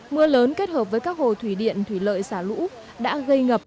mưa lớn kết hợp với các hồ thủy điện thủy lợi xả lũ đã gây ngập